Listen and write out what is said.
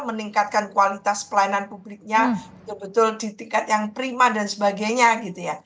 meningkatkan kualitas pelayanan publiknya betul betul di tiket yang prima dan sebagainya gitu ya